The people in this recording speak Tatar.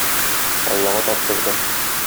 Аллага тапшырдык.